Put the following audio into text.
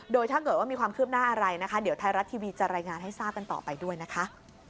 โดยถ้าเกิดว่ามีความคืบหน้าอะไรนะคะเดี๋ยวไทยรัฐทีวีจะรายงานให้ทราบกันต่อไปด้วยนะคะ